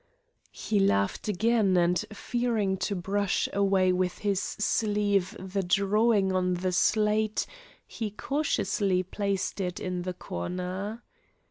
He laughed again, and, fearing to brush away with his sleeve the drawing on the slate, he cautiously placed it in the corner.